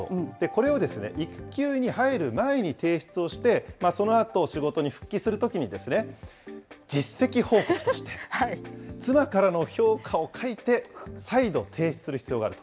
これを育休に入る前に提出をして、そのあと仕事に復帰するときに、実績報告として、妻からの評価を書いて、再度提出する必要があると。